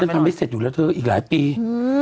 ทำไม่เสร็จอยู่แล้วเธออีกหลายปีอืม